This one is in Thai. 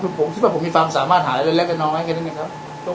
ตัวคุณบอยสามารถเคยมีการติดต่อซื้อขายกับภารกิจจีนครับ